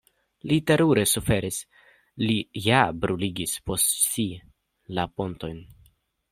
Li terure suferis, li ja bruligis post si la pontojn.